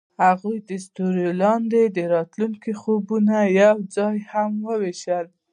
هغوی د ستوري لاندې د راتلونکي خوبونه یوځای هم وویشل.